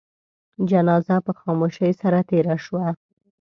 جنازه په خاموشی سره تېره شوه.